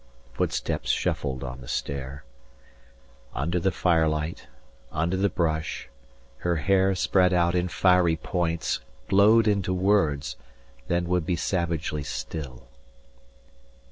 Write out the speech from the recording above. Footsteps shuffled on the stair, Under the firelight, under the brush, her hair Spread out in fiery points Glowed into words, then would be savagely still.